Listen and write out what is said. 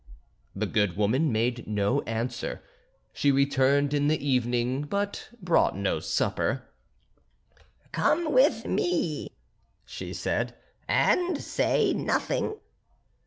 The good woman made no answer; she returned in the evening, but brought no supper. "Come with me," she said, "and say nothing."